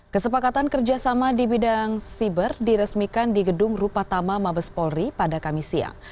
kesepakatan kerjasama di bidang siber diresmikan di gedung rupatama mabes polri pada kamis siang